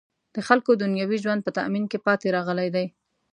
د خلکو دنیوي ژوند په تأمین کې پاتې راغلی دی.